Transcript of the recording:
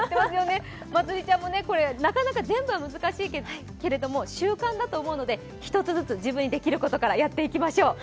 まつりちゃんもなかなか全部は難しいけれども、習慣だと思うので、１つずつ自分にできることからやっていきましょう。